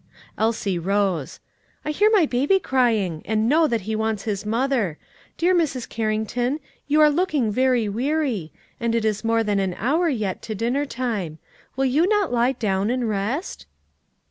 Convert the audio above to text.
Elsie rose. "I hear my baby crying, and know that he wants his mother. Dear Mrs. Carrington, you are looking very weary; and it is more than an hour yet to dinner time; will you not lie down and rest?"